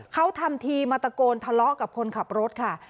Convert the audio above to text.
เขาทำทีมาตะโกนทะเลาะกับคนขับรถค่ะ